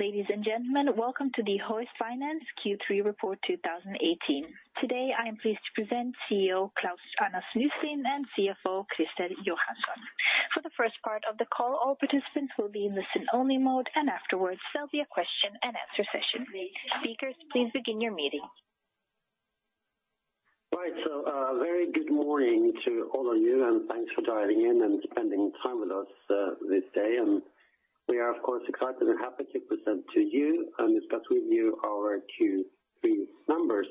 Ladies and gentlemen, welcome to the Hoist Finance Q3 report 2018. Today, I am pleased to present CEO Klaus-Anders Nysteen and CFO Christer Johansson. For the first part of the call, all participants will be in listen only mode, and afterwards there'll be a question and answer session. Speakers, please begin your meeting. Very good morning to all of you, and thanks for dialing in and spending time with us this day. We are, of course, excited and happy to present to you and discuss with you our Q3 numbers.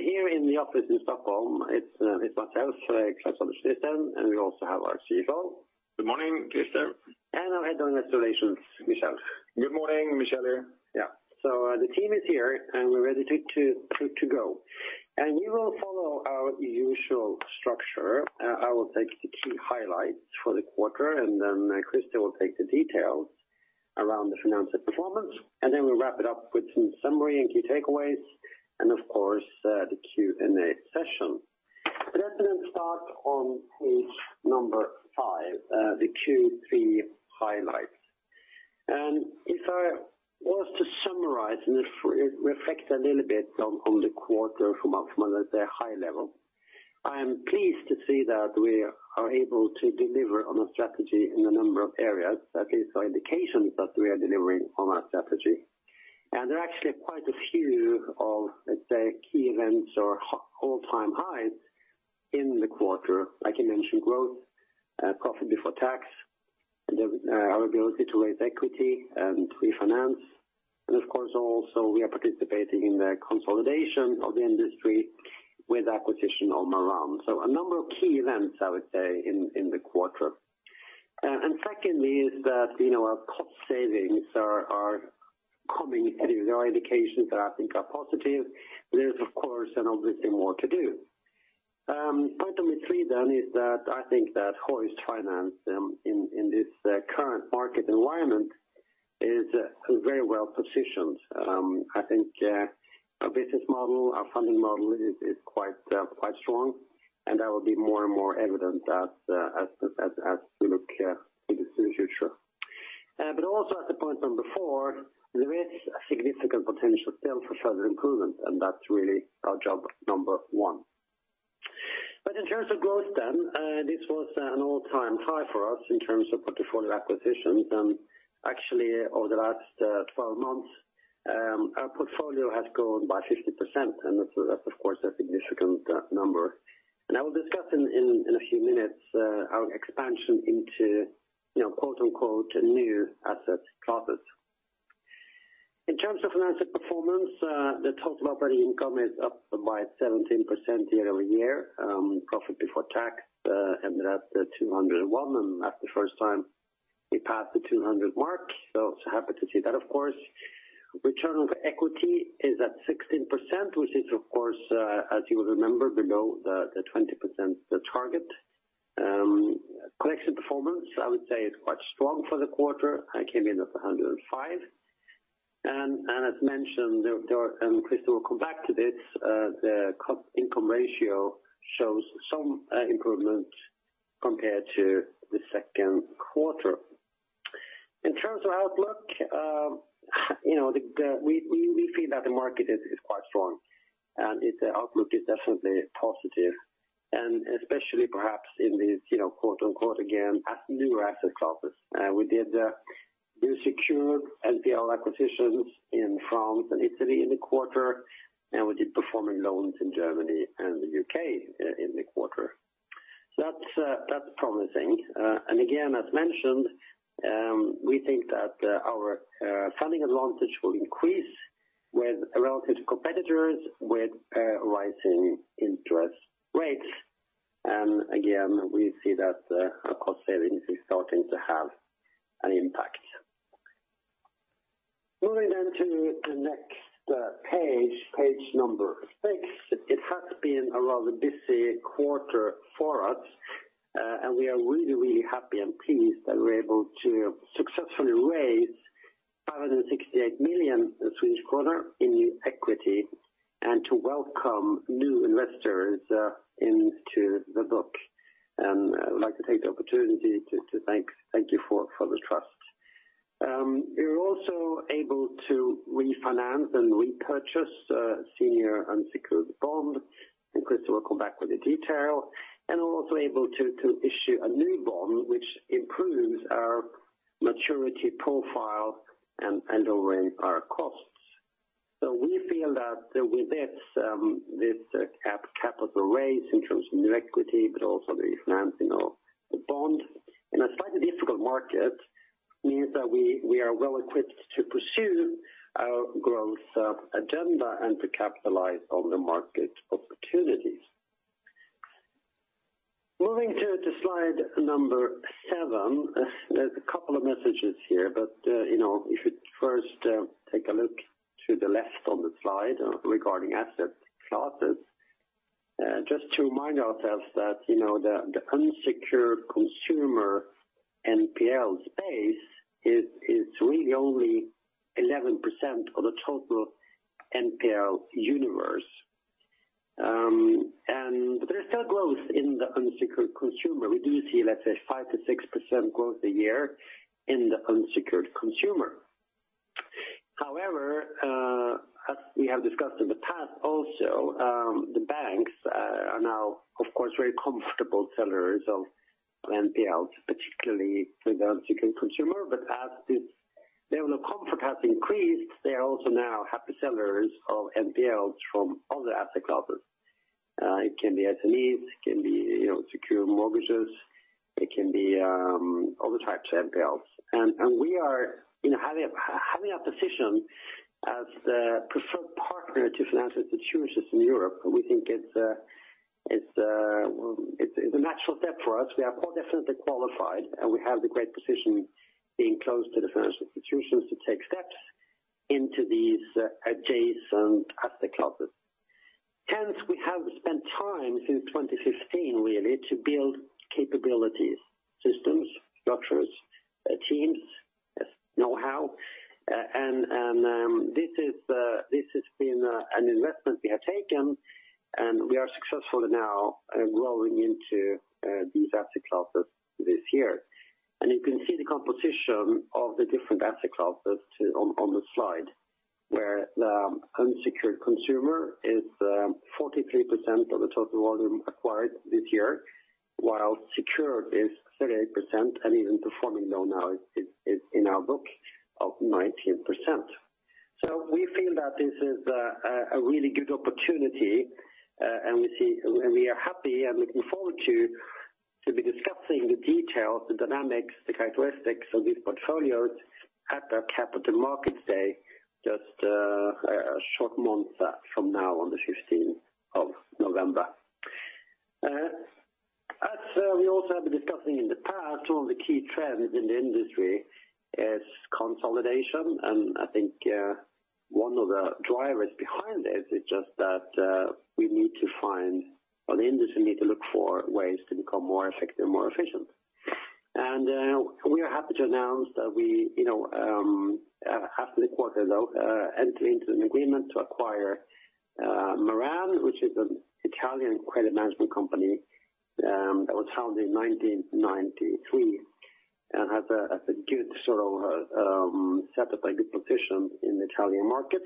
Here in the office in Stockholm, it's myself, Klaus-Anders Nysteen, and we also have our CFO. Good morning. Christer. Our Head of Investor Relations, Michel. Good morning. Michel. The team is here, we're ready to go. We will follow our usual structure. I will take the key highlights for the quarter, Christer will take the details around the financial performance, we'll wrap it up with some summary and key takeaways, of course, the Q&A session. Let me start on page number five, the Q3 highlights. If I was to summarize and reflect a little bit on the quarter from, let's say, a high level, I am pleased to see that we are able to deliver on a strategy in a number of areas. At least are indications that we are delivering on our strategy. There are actually quite a few of, let's say, key events or all-time highs in the quarter. I can mention growth, profit before tax, our ability to raise equity and refinance. Of course, also we are participating in the consolidation of the industry with acquisition of Maran. A number of key events, I would say, in the quarter. Secondly is that our cost savings are coming. There are indications that I think are positive. There's, of course, an obvious thing more to do. Point number three is that I think that Hoist Finance in this current market environment is very well-positioned. I think our business model, our funding model is quite strong, and that will be more and more evident as we look into the future. Also as a point number four, there is a significant potential still for further improvement, that's really our job number one. In terms of growth, this was an all-time high for us in terms of portfolio acquisitions. Actually, over the last 12 months, our portfolio has grown by 50%, that's of course, a significant number. I will discuss in a few minutes our expansion into, quote-unquote, new asset classes. In terms of financial performance, the total operating income is up by 17% year-over-year. Profit before tax ended at 201, that's the first time we passed the 200 mark, so happy to see that, of course. Return on equity is at 16%, which is, of course, as you will remember, below the 20% target. Collection performance, I would say is quite strong for the quarter. I came in at 105. As mentioned, Christer will come back to this, the income ratio shows some improvement compared to the second quarter. In terms of outlook, we feel that the market is quite strong, and its outlook is definitely positive, and especially perhaps in these, quote-unquote, again, at newer asset classes. We did new secured NPL acquisitions in France and Italy in the quarter, and we did performing loans in Germany and the U.K. in the quarter. That's promising. Again, as mentioned, we think that our funding advantage will increase relative to competitors with rising interest rates. Again, we see that our cost savings is starting to have an impact. Moving on to the next page number six. It has been a rather busy quarter for us. We are really happy and pleased that we're able to successfully raise 568 million Swedish kronor in new equity and to welcome new investors into the book. I would like to take the opportunity to thank you for the trust. We were also able to refinance and repurchase senior unsecured bond, Christer will come back with the detail. We're also able to issue a new bond which improves our maturity profile and lower our costs. We feel that with this capital raise in terms of new equity, but also the refinancing of the bond in a slightly difficult market, means that we are well equipped to pursue our growth agenda and to capitalize on the market opportunities. Moving to slide seven. There's a couple of messages here, but if you first take a look to the left on the slide regarding asset classes. Just to remind ourselves that the unsecured consumer NPL space is really only 11% of the total NPL universe. There's still growth in the unsecured consumer. We do see, let's say 5%-6% growth a year in the unsecured consumer. However, as we have discussed in the past also, the banks are now, of course, very comfortable sellers of NPLs, particularly for the unsecured consumer. As this level of comfort has increased, they are also now happy sellers of NPLs from other asset classes. It can be SMEs, it can be secured mortgages, it can be other types of NPLs. We are having a position as the preferred partner to financial institutions in Europe. We think it's a natural step for us. We are most definitely qualified, and we have the great position being close to the financial institutions to take steps into these adjacent asset classes. Hence, we have spent time since 2015 really to build capabilities, systems, structures, teams, know-how. This has been an investment we have taken, we are successful now growing into these asset classes this year. You can see the composition of the different asset classes too on the slide, where the unsecured consumer is 43% of the total volume acquired this year, while secured is 38%, and even performing loan now is in our book of 19%. We feel that this is a really good opportunity, and we are happy and looking forward to be discussing the details, the dynamics, the characteristics of these portfolios at the Capital Markets Day, just a short month from now on the 15th of November. As we also have been discussing in the past, one of the key trends in the industry is consolidation. I think one of the drivers behind it is just that we need to find, or the industry need to look for ways to become more effective, more efficient. We are happy to announce that we, half of the quarter though, entering into an agreement to acquire Maran, which is an Italian credit management company that was founded in 1993 and has a good sort of set up, a good position in the Italian market,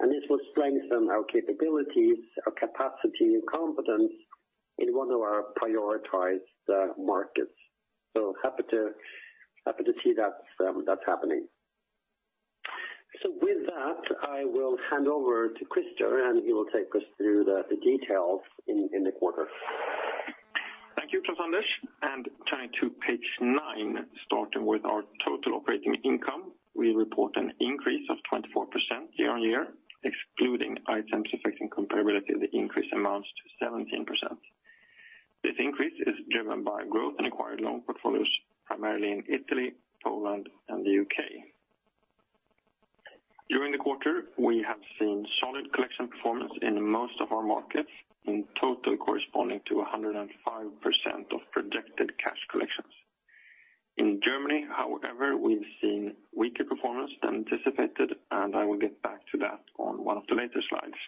and this will strengthen our capabilities, our capacity and competence in one of our prioritized markets. Happy to see that's happening. With that, I will hand over to Christer, and he will take us through the details in the quarter. Thank you, Klaus-Anders. Turning to page nine, starting with our total operating income. We report an increase of 24% year-on-year, excluding items affecting comparability, the increase amounts to 17%. This increase is driven by growth in acquired loan portfolios, primarily in Italy, Poland, and the U.K. During the quarter, we have seen solid collection performance in most of our markets, in total corresponding to 105% of projected cash collections. In Germany, however, we've seen weaker performance than anticipated, and I will get back to that on one of the later slides.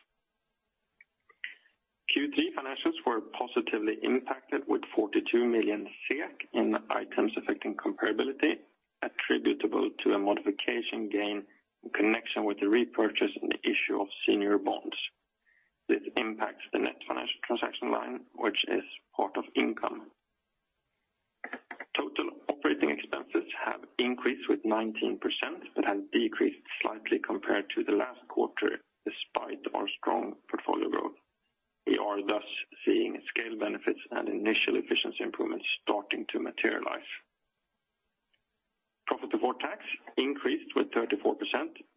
Q3 financials were positively impacted with 42 million in items affecting comparability attributable to a modification gain in connection with the repurchase and the issue of senior bonds. This impacts the net financial transaction line, which is part of income. Total operating expenses have increased with 19%, but have decreased slightly compared to the last quarter despite our strong portfolio growth. We are thus seeing scale benefits and initial efficiency improvements starting to materialize. Profit before tax increased with 34%,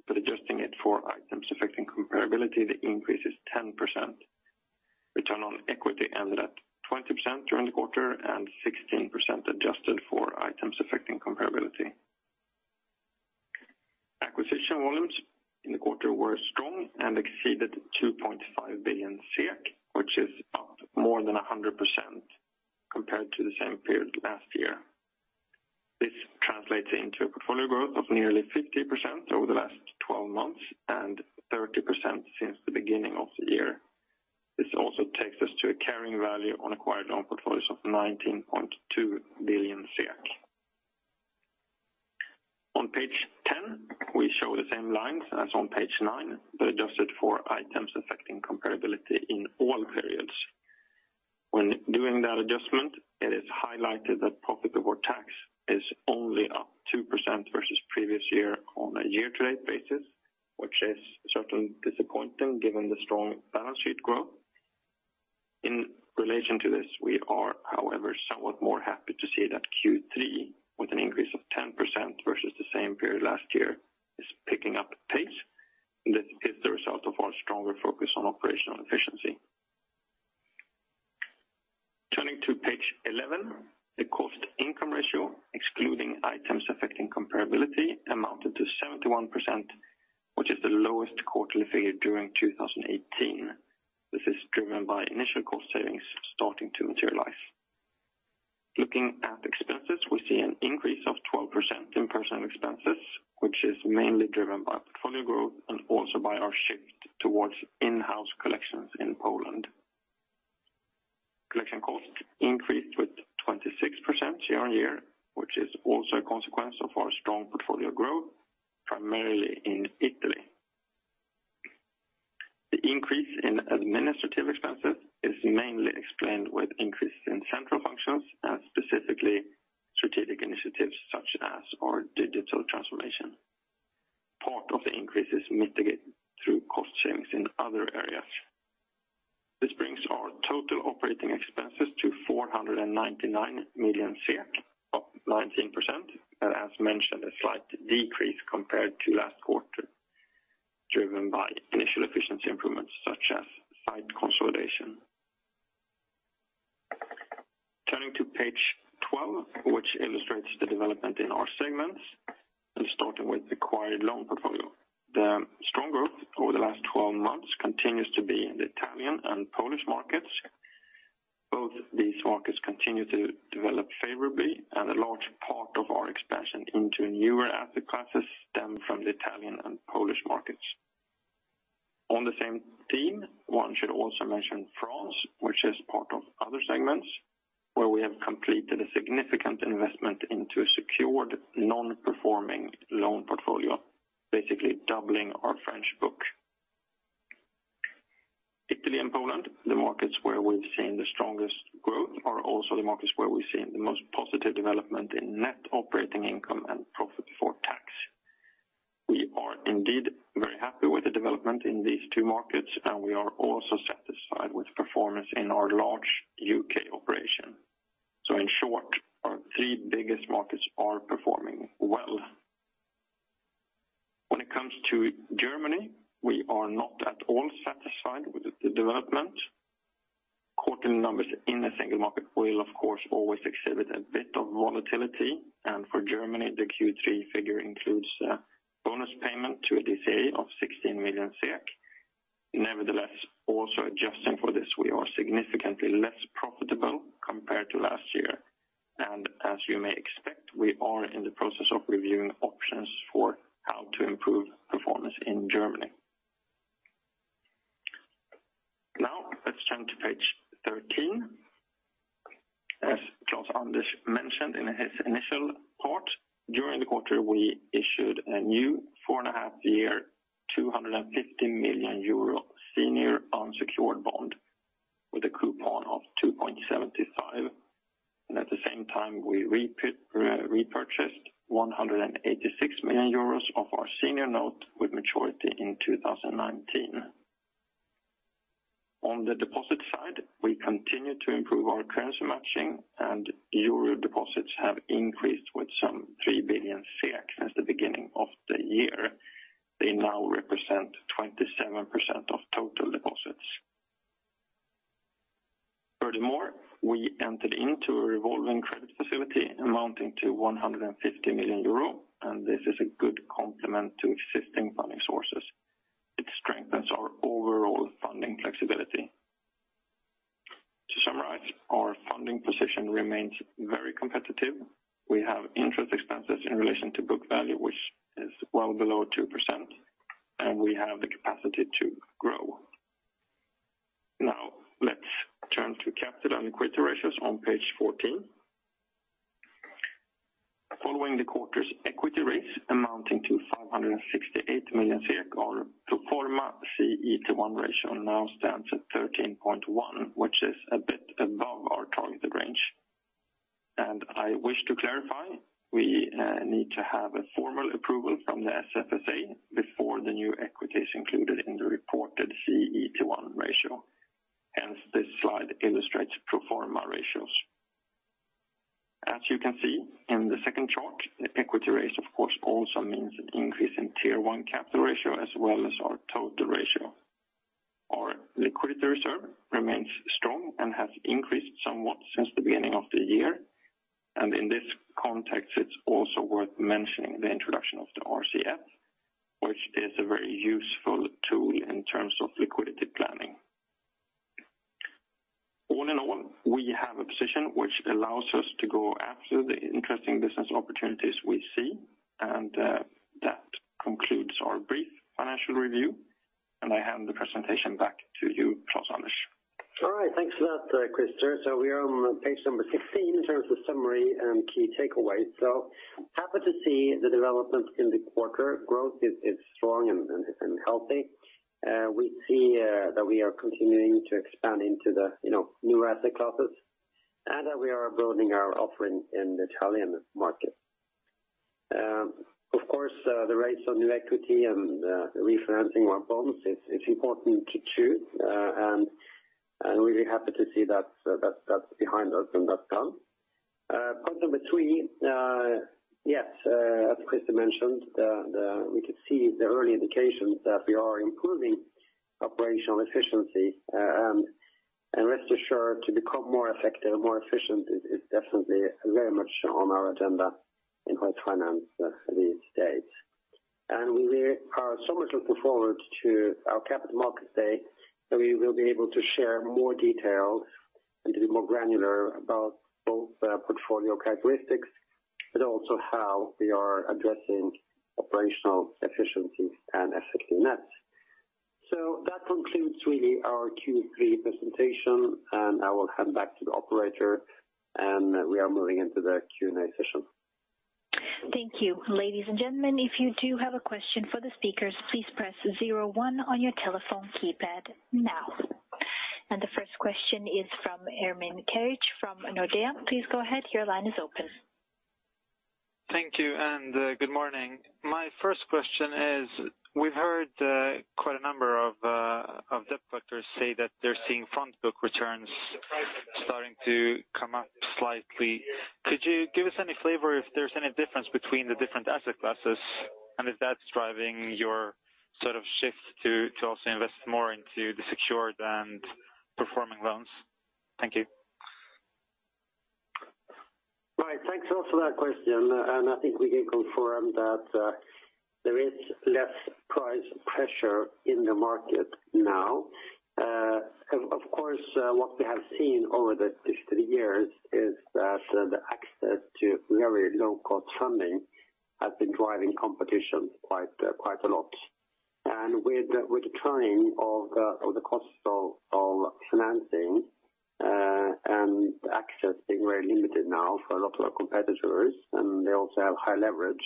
but adjusting it for items affecting comparability, the increase is 10%. Return on equity ended at 20% during the quarter and 16% adjusted for items affecting comparability. Acquisition volumes in the quarter were strong and exceeded 2.5 billion SEK, which is up more than 100% compared to the same period last year. This translates into a portfolio growth of nearly 50% over the last 12 months and 30% since the beginning of the year. This also takes us to a carrying value on acquired loan portfolios of 19.2 billion. On page 10, we show the same lines as on page nine, but adjusted for items affecting comparability in all periods. When doing that adjustment, it is highlighted that profit before tax is only up 2% versus previous year on a year-to-date basis, which is certainly disappointing given the strong balance sheet growth. In relation to this, we are, however, somewhat more happy to see that Q3, with an increase of 10% versus the same period last year, is picking up pace, and this is the result of our stronger focus on operational efficiency. Turning to page 11. The cost-to-income ratio, excluding items affecting comparability, amounted to 71%, which is the lowest quarterly figure during 2018. This is driven by initial cost savings starting to materialize. Looking at expenses, we see an increase of 12% in personnel expenses, which is mainly driven by portfolio growth and also by our shift towards in-house collections in Poland. Collection cost increased with 26% year-on-year, which is also a consequence of our strong portfolio growth, primarily in Italy. The increase in administrative expenses is mainly explained with increases in central functions and specifically strategic initiatives such as our digital transformation. Part of the increase is mitigated through cost savings in other areas. This brings our total operating expenses to 499 million, up 19%, and as mentioned, a slight decrease compared to last quarter, driven by initial efficiency improvements such as site consolidation. Turning to page 12, which illustrates the development in our segments and starting with acquired loan portfolio. The strong growth over the last 12 months continues to be in the Italian and Polish markets. Both these markets continue to develop favorably and a large part of our expansion into newer asset classes stem from the Italian and Polish markets. On the same theme, one should also mention France, which is part of other segments where we have completed a significant investment into a secured non-performing loan portfolio, basically doubling our French book. Italy and Poland, the markets where we've seen the strongest growth are also the markets where we've seen the most positive development in net operating income and profit for tax. We are indeed very happy with the development in these two markets, and we are also satisfied with performance in our large U.K. operation. In short, our three biggest markets are performing well. When it comes to Germany, we are not at all satisfied with the development. Quarterly numbers in a single market will, of course, always exhibit a bit of volatility, and for Germany, the Q3 figure includes a bonus payment to a DCA of 16 million SEK. Nevertheless, also adjusting for this, we are significantly less profitable compared to last year. As you may expect, we are in the process of reviewing options for how to improve performance in Germany. Let's turn to page 13. As Klaus-Anders mentioned in his initial part, during the quarter, we issued a new four-and-a-half year 250 million euro senior unsecured bond with a coupon of 2.75, and at the same time we repurchased 186 million euros of our senior note with maturity in 2019. On the deposit side, we continue to improve our currency matching and euro deposits have increased with some 3 billion SEK since the beginning of the year. They now represent 27% of total deposits. Furthermore, we entered into a revolving credit facility amounting to 150 million euro, and this is a good complement to existing funding sources. It strengthens our overall funding flexibility. To summarize, our funding position remains very competitive. We have interest expenses in relation to book value which is well below 2% and we have the capacity to grow. Let's turn to capital and liquidity ratios on page 14. Following the quarter's equity raise amounting to SEK 568 million, our pro forma CET1 ratio now stands at 13.1, which is a bit above our targeted range. I wish to clarify, we need to have a formal approval from the SFSA before the new equity is included in the reported CET1 ratio. Hence this slide illustrates pro forma ratios. As you can see in the second chart, the equity raise of course also means an increase in Tier 1 capital ratio as well as our total ratio. Our liquidity reserve remains strong and has increased somewhat since the beginning of the year, and in this context it's also worth mentioning the introduction of the RCF which is a very useful tool in terms of liquidity planning. All in all, we have a position which allows us to go after the interesting business opportunities we see and that concludes our brief financial review and I hand the presentation back to you Klaus-Anders. All right. Thanks for that, Christer. We are on page number 15 in terms of summary and key takeaways. Happy to see the development in the quarter. Growth is strong and healthy. We see that we are continuing to expand into the new asset classes and that we are building our offering in the Italian market. Of course, the raise of new equity and refinancing our bonds is important to chew and really happy to see that behind us and that done. Point number 3, yes, as Christer mentioned, we could see the early indications that we are improving operational efficiency and rest assured to become more effective, more efficient is definitely very much on our agenda in Hoist Finance these days. We are so much looking forward to our Capital Markets Day, where we will be able to share more details and be more granular about both the portfolio characteristics, but also how we are addressing operational efficiencies and effectiveness. That concludes really our Q3 presentation, I will hand back to the operator, we are moving into the Q&A session. Thank you. Ladies and gentlemen, if you do have a question for the speakers, please press 01 on your telephone keypad now. The first question is from Ermin Keric from Nordea. Please go ahead. Your line is open. Thank you. Good morning. My first question is, we've heard quite a number of debt collectors say that they're seeing front book returns starting to come up slightly. Could you give us any flavor if there's any difference between the different asset classes, if that's driving your sort of shift to also invest more into the secured and performing loans? Thank you. Right. Thanks also for that question. I think we can confirm that there is less price pressure in the market now. Of course, what we have seen over the years is that the access to very low-cost funding has been driving competition quite a lot. With the turning of the cost of financing and access being very limited now for a lot of our competitors, they also have high leverage.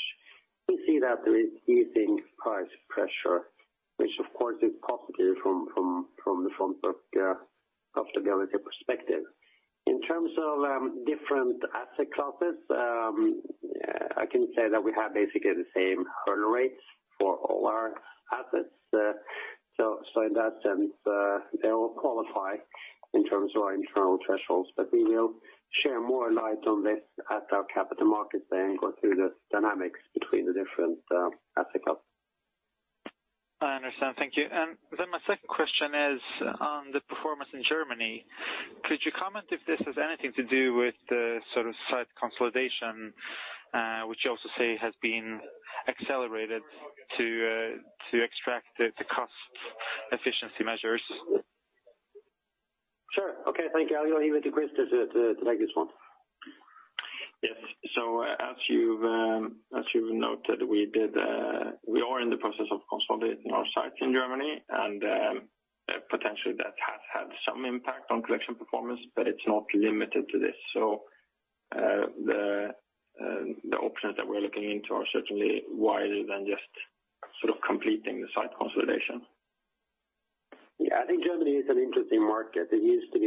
We see that there is easing price pressure, which of course is positive from the front book profitability perspective. In terms of different asset classes, I can say that we have basically the same earn rates for all our assets. In that sense, they all qualify in terms of our internal thresholds. We will share more light on this at our Capital Markets Day and go through the dynamics between the different asset classes. I understand. Thank you. My second question is on the performance in Germany. Could you comment if this has anything to do with the sort of site consolidation, which you also say has been accelerated to extract the cost efficiency measures? Sure. Okay, thank you. I will hand you to Christer to take this one. Yes. As you've noted, we are in the process of consolidating our sites in Germany, and potentially that has had some impact on collection performance, but it's not limited to this. The options that we're looking into are certainly wider than just completing the site consolidation. Yeah, I think Germany is an interesting market. It used to be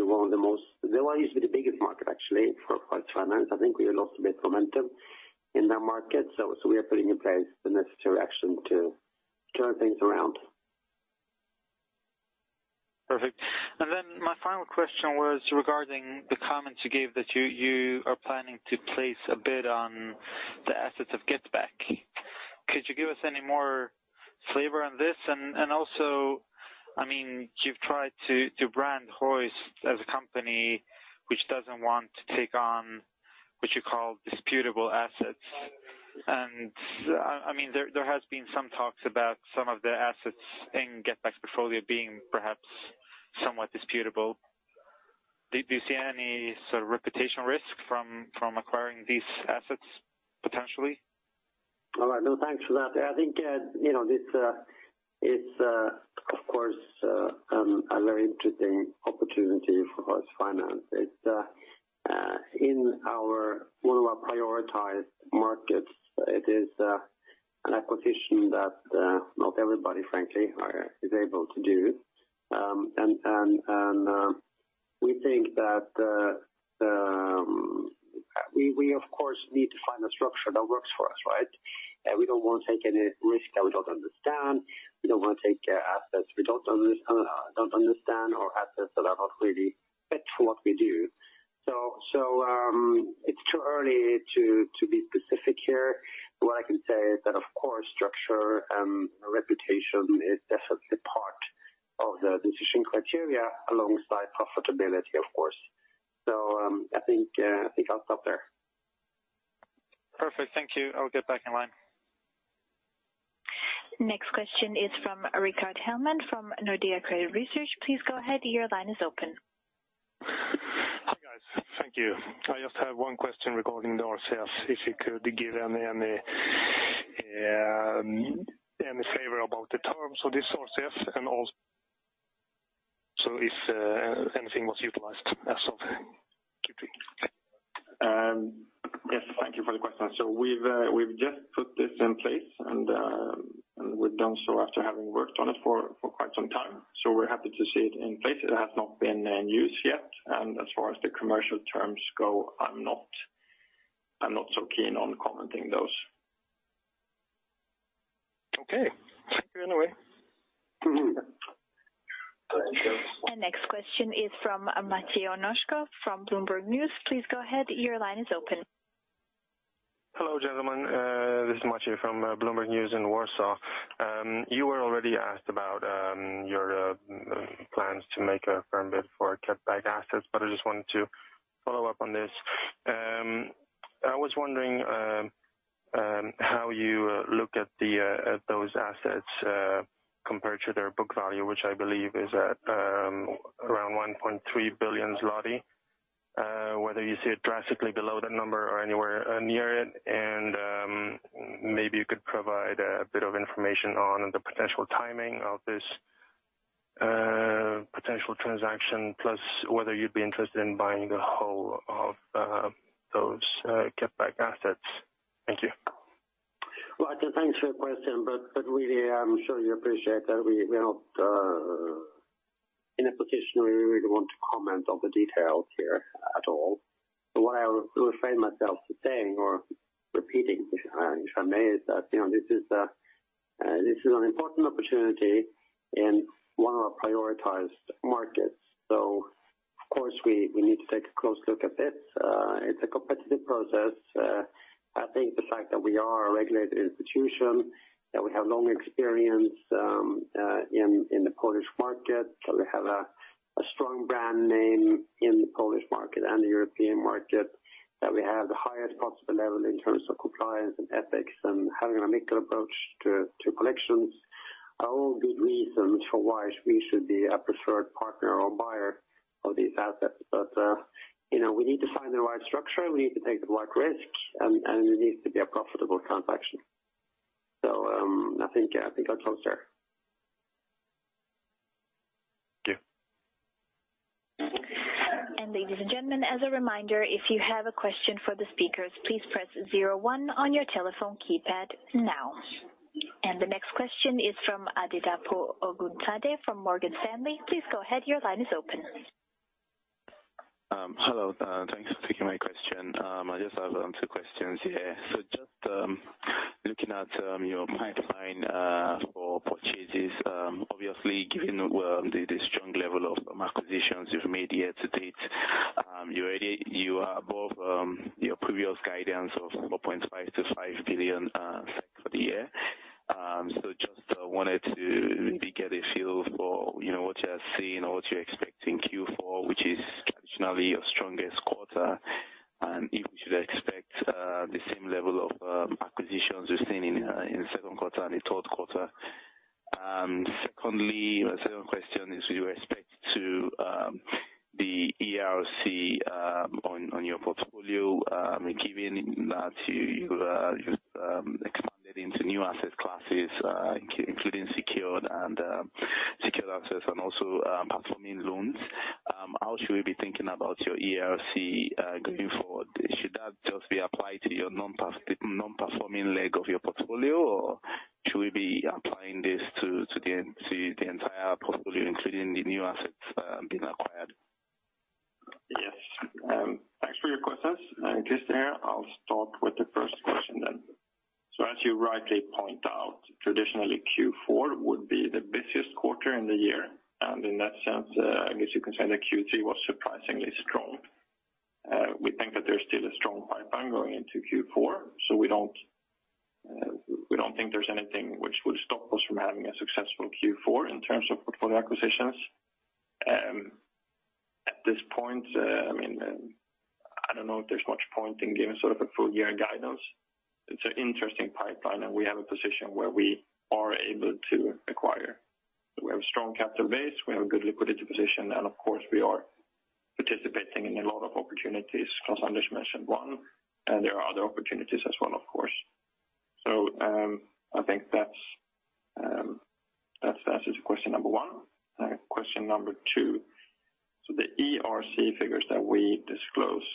the biggest market actually for Hoist Finance. I think we lost a bit of momentum in that market. We are putting in place the necessary action to turn things around. Perfect. My final question was regarding the comments you gave that you are planning to place a bid on the assets of GetBack. Could you give us any more flavor on this? You've tried to brand Hoist as a company which doesn't want to take on what you call disputable assets. There has been some talks about some of the assets in GetBack's portfolio being perhaps somewhat disputable. Do you see any sort of reputational risk from acquiring these assets potentially? All right. No, thanks for that. I think, this is of course, a very interesting opportunity for Hoist Finance. It's in one of our prioritized markets. It is an acquisition that not everybody frankly is able to do. We think that we of course need to find a structure that works for us. We don't want to take any risk that we don't understand. We don't want to take assets we don't understand or assets that are not really fit for what we do. It's too early to be specific here. What I can say is that of course, structure and reputation is definitely part of the decision criteria alongside profitability, of course. I think I'll stop there. Perfect. Thank you. I will get back in line. Next question is from Rickard Hellman from Nordea Credit Research. Please go ahead. Your line is open. Hi, guys. Thank you. I just have one question regarding the RCF, if you could give any flavor about the terms of this RCF and also if anything was utilized as of Q3. Thank you. Yes, thank you for the question. We've just put this in place, and we've done so after having worked on it for quite some time. We're happy to see it in place. It has not been in use yet, and as far as the commercial terms go, I'm not so keen on commenting those. Okay. Thank you anyway. Thank you. Next question is from Maciej Onoszko from Bloomberg News. Please go ahead. Your line is open. Hello, gentlemen. This is Maciej from Bloomberg News in Warsaw. You were already asked about your plans to make a firm bid for GetBack assets, I just wanted to follow up on this. I was wondering how you look at those assets compared to their book value, which I believe is at around 1.3 billion zloty. Whether you see it drastically below that number or anywhere near it. Maybe you could provide a bit of information on the potential timing of this potential transaction, plus whether you'd be interested in buying the whole of those GetBack assets. Thank you. Right. Thanks for the question. Really, I'm sure you appreciate that we're not in a position where we really want to comment on the details here at all. What I will refrain myself to saying or repeating, if I may, is that this is an important opportunity in one of our prioritized markets. Of course, we need to take a close look at this. It's a competitive process. I think the fact that we are a regulated institution, that we have long experience in the Polish market, that we have a strong brand name in the Polish market and the European market, that we have the highest possible level in terms of compliance and ethics and having a micro approach to collections are all good reasons for why we should be a preferred partner or buyer of these assets. We need to find the right structure, we need to take the right risk, and it needs to be a profitable transaction. I think I'll close there. Thank you. Ladies and gentlemen, as a reminder, if you have a question for the speakers, please press 01 on your telephone keypad now. The next question is from Adedapo Oguntade from Morgan Stanley. Please go ahead. Your line is open. Hello. Thanks for taking my question. I just have two questions here. Just looking at your pipeline for purchases, obviously, given the strong level of acquisitions you've made here to date, you are above your previous guidance of 4.5 billion-5 billion for the year. Just wanted to maybe get a feel for what you are seeing or what you expect in Q4, which is traditionally your strongest quarter, and if we should expect the same level of acquisitions we've seen in the second quarter and the third quarter. Secondly, my second question is, with respect to the ERC on your portfolio, given that you've expanded into new asset classes including secured assets and also performing loans, how should we be thinking about your ERC going forward? Should that just be applied to your non-performing leg of your portfolio, or should we be applying this to the entire portfolio, including the new assets being acquired? Yes. Thanks for your questions. Just here, I'll start with the first question then. As you rightly point out, traditionally Q4 would be the busiest quarter in the year, and in that sense, I guess you can say that Q3 was surprisingly strong. We think that there's still a strong pipeline going into Q4. We don't think there's anything which would stop us from having a successful Q4 in terms of portfolio acquisitions. At this point, I don't know if there's much point in giving sort of a full year guidance. It's an interesting pipeline, and we have a position where we are able to acquire. We have a strong capital base, we have a good liquidity position, and of course, we are participating in a lot of opportunities. Klaus-Anders mentioned one, and there are other opportunities as well, of course. I think that answers question number one. Question number two, the ERC figures that we disclose,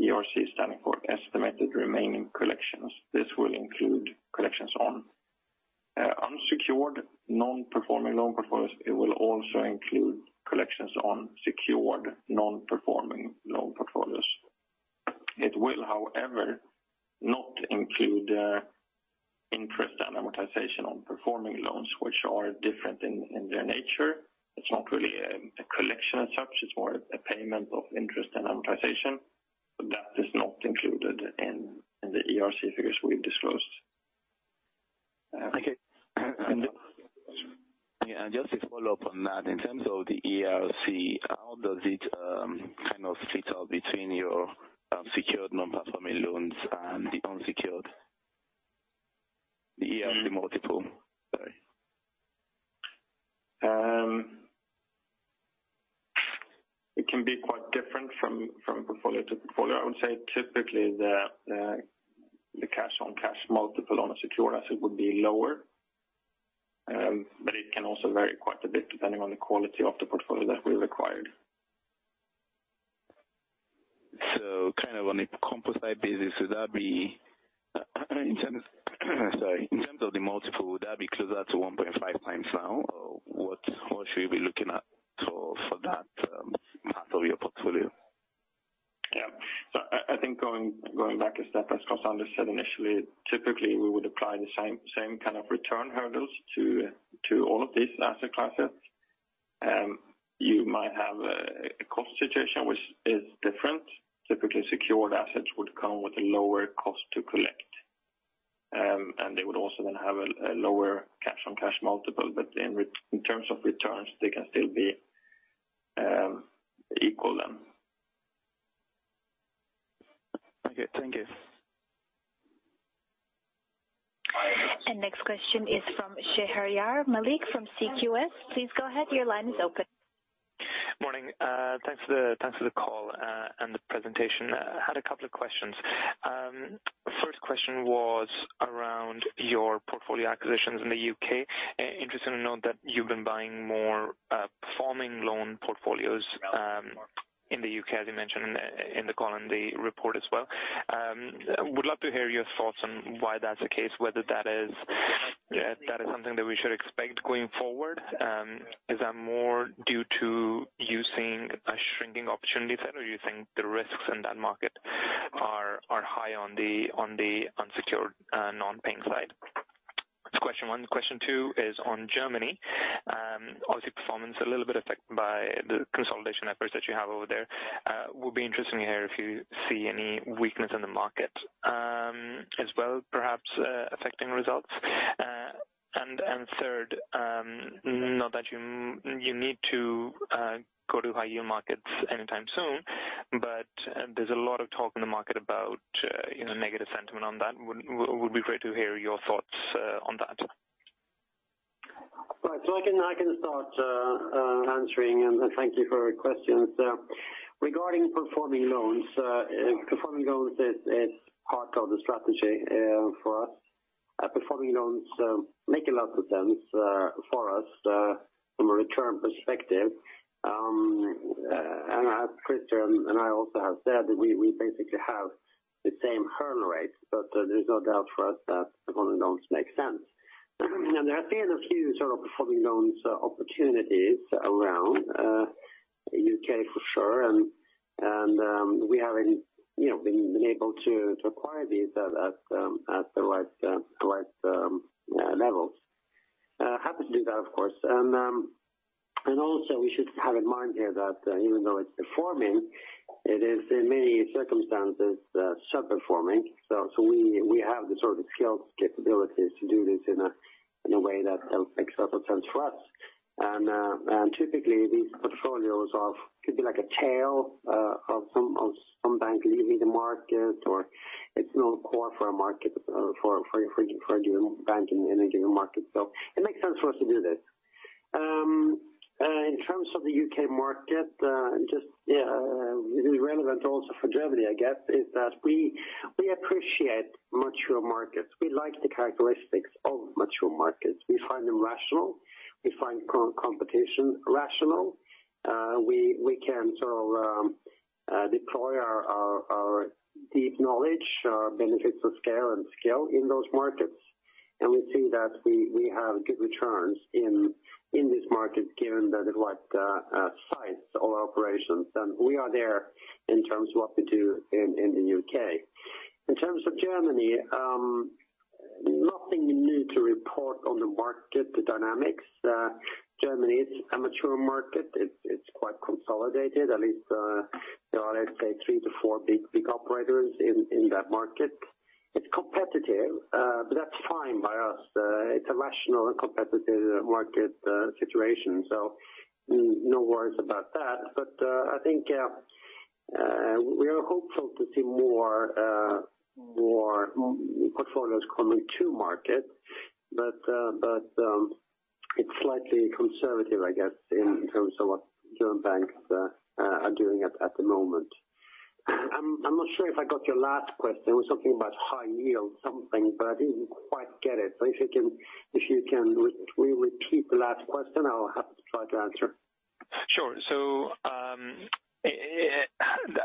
ERC standing for estimated remaining collections. This will include collections on unsecured non-performing loan portfolios. It will also include collections on secured non-performing loan portfolios. It will, however, not include interest and amortization on performing loans, which are different in their nature. It's not really a collection as such, it's more a payment of interest and amortization. That is not included in the ERC figures we've disclosed. Okay. Just to follow up on that, in terms of the ERC, how does it kind of fit all between your secured non-performing loans and the unsecured? The ERC multiple, sorry. It can be quite different from portfolio to portfolio. I would say typically the cash on cash multiple on a secured asset would be lower. It can also vary quite a bit depending on the quality of the portfolio that we acquired. Kind of on a composite basis, would that be Sorry. In terms of the multiple, would that be closer to 1.5 times now, or what should we be looking at for that part of your portfolio? Yeah. I think going back a step, as Klaus-Anders said initially, typically we would apply the same kind of return hurdles to all of these asset classes. You might have a cost situation which is different. Typically, secured assets would come with a lower cost to collect. They would also then have a lower cash on cash multiple. In terms of returns, they can still be equal then. Okay. Thank you. Next question is from Sheharyar Malik from CQS. Please go ahead. Your line is open. Morning. Thanks for the call and the presentation. I had a couple of questions. First question was around your portfolio acquisitions in the U.K. Interesting to note that you've been buying more performing loan portfolios in the U.K., as you mentioned in the call on the report as well. Would love to hear your thoughts on why that's the case, whether that is something that we should expect going forward. Is that more due to you seeing a shrinking opportunity set or you think the risks in that market are high on the unsecured non-paying side? That's question one. Question two is on Germany. Obviously, performance a little bit affected by the consolidation efforts that you have over there. Would be interesting to hear if you see any weakness in the market as well, perhaps affecting results. Third, not that you need to go to high-yield markets anytime soon, but there's a lot of talk in the market about negative sentiment on that. Would be great to hear your thoughts on that. Right. I can start answering, and thank you for your questions. Regarding performing loans, performing loans is part of the strategy for us. Performing loans make a lot of sense for us from a return perspective. As Christer and I also have said, we basically have the same hurdle rates, but there's no doubt for us that performing loans make sense. There have been a few sort of performing loans opportunities around U.K. for sure, and we haven't been able to acquire these at the right levels. Happy to do that, of course. Also we should have in mind here that even though it's performing, it is in many circumstances underperforming. We have the sort of skills, capabilities to do this in a way that makes a lot of sense for us. Typically, these portfolios could be like a tail of some bank leaving the market, or it's no core for a market for a banking and engineering market. It makes sense for us to do this. In terms of the U.K. market, just relevant also for Germany, I guess, is that we appreciate mature markets. We like the characteristics of mature markets. We find them rational. We find competition rational. We can sort of deploy our deep knowledge, our benefits of scale and skill in those markets. We see that we have good returns in this market given the right size of our operations, and we are there in terms of what we do in the U.K. In terms of Germany, nothing new to report on the market dynamics. Germany is a mature market. It's quite consolidated. At least there are, let's say, three to four big operators in that market. It's competitive, but that's fine by us. It's a rational and competitive market situation, no worries about that. I think we are hopeful to see more portfolios coming to market. It's slightly conservative, I guess, in terms of what German banks are doing at the moment. I'm not sure if I got your last question. It was something about high-yield something, but I didn't quite get it. If you can repeat the last question, I'll have to try to answer. Sure.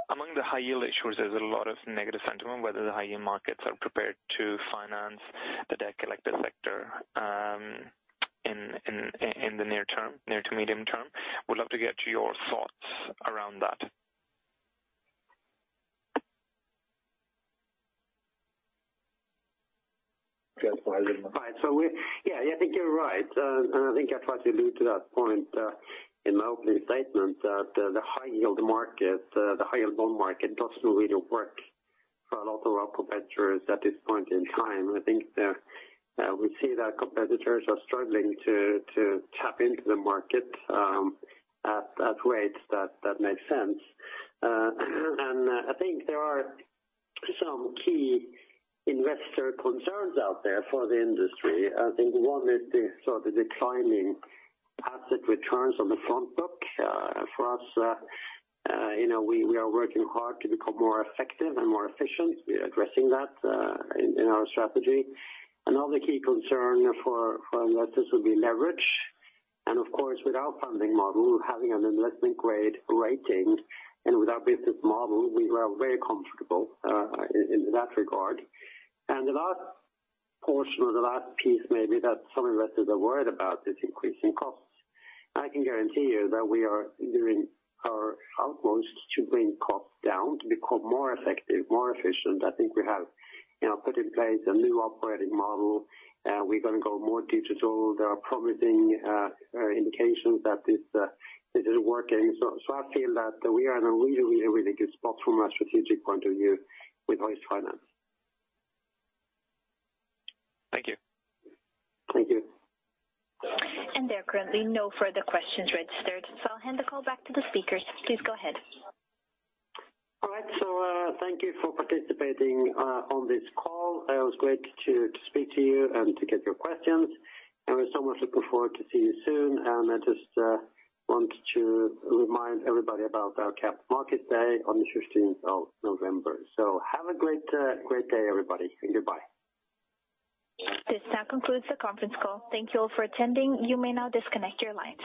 Among the high-yield issuers, there's a lot of negative sentiment whether the high-yield markets are prepared to finance the debt collected sector in the near term, near to medium term. Would love to get your thoughts around that. Yeah, I think you're right. I think I tried to allude to that point in my opening statement that the high-yield market, the high-yield bond market doesn't really work for a lot of our competitors at this point in time. I think we see that competitors are struggling to tap into the market at rates that make sense. I think there are some key investor concerns out there for the industry. I think one is the sort of declining asset returns on the front book. For us, we are working hard to become more effective and more efficient. We are addressing that in our strategy. Another key concern for investors would be leverage. Of course, with our funding model, having an investment-grade rating and with our business model, we are very comfortable in that regard. The last portion or the last piece maybe that some investors are worried about is increasing costs. I can guarantee you that we are doing our utmost to bring costs down to become more effective, more efficient. I think we have put in place a new operating model. We're going to go more digital. There are promising indications that this is working. I feel that we are in a really good spot from a strategic point of view with Hoist Finance. Thank you. Thank you. There are currently no further questions registered, so I'll hand the call back to the speakers. Please go ahead. All right. Thank you for participating on this call. It was great to speak to you and to get your questions. We so much look forward to see you soon. I just want to remind everybody about our Capital Markets Day on the 15th of November. Have a great day everybody, and goodbye. This now concludes the conference call. Thank you all for attending. You may now disconnect your lines.